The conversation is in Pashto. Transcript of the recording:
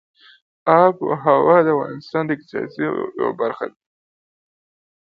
آب وهوا د افغانستان د اقتصاد یوه برخه ده.